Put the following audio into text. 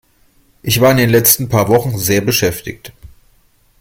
Ich war in den letzten paar Wochen sehr beschäftigt.